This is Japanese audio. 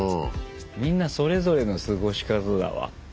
みんなそれぞれの過ごし方だわ。